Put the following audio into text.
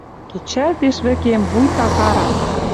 Кечӓлтеш вӹкем, вуйта карак.